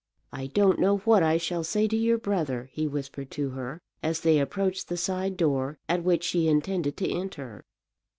"I don't know what I shall say to your brother," he whispered to her, as they approached the side door at which she intended to enter.